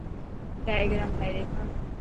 ڊائگرام ٺاهي ڏيکار.